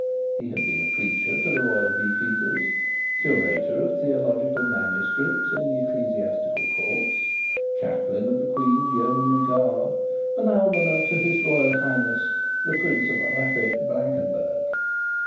He had been a preacher to the royal beefeaters, curator of theological manuscripts in the Ecclesiastical Courts, chaplain of the Queen's Yeomanry Guard, and almoner to his Royal Highness the Prince of Rappe Blankenburg.